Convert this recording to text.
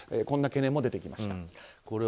こんな懸念も出てきました。